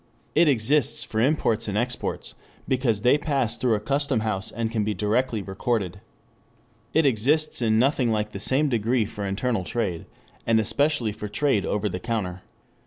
It exists for imports and exports because they pass through a custom house and can be directly recorded. It exists in nothing like the same degree for internal trade, and especially for trade over the counter.